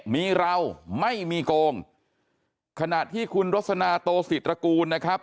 มีเราไม่มีโกงขณะที่คุณรสนาโตศิตรกูลนะครับ